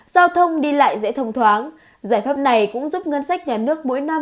giao thông đi lại dễ thông thoáng giải pháp này cũng giúp ngân sách nhà nước mỗi năm